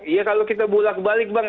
ya kalau kita bulat balik bang